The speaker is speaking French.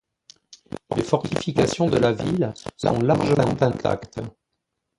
Les fortifications de la ville sont largement intactes.